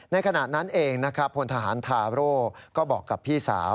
ขณะนั้นเองนะครับพลทหารทาโร่ก็บอกกับพี่สาว